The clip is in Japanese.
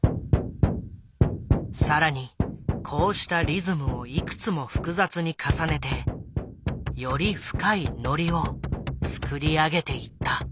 更にこうしたリズムをいくつも複雑に重ねてより深いノリを作り上げていった。